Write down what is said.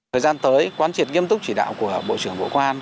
thời gian tới quan triệt nghiêm túc chỉ đạo của bộ trưởng bộ quan